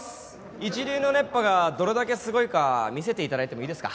一流の熱波がどれだけすごいか見せて頂いてもいいですか？